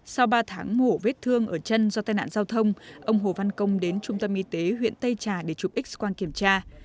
sau ba tháng ngủ vết thương ở chân do tai nạn giao thông ông hồ văn công đến trung tâm y tế huyện tây trà để chụp x quang kiểm tra